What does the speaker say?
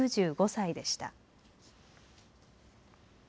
９５歳でした。